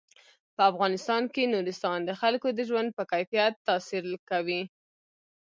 په افغانستان کې نورستان د خلکو د ژوند په کیفیت تاثیر کوي.